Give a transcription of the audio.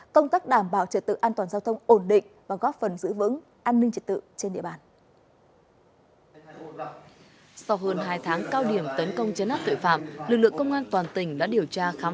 công tác đảm bảo trật tự an toàn giao thông ổn định và góp phần giữ vững an ninh trật tự trên địa bàn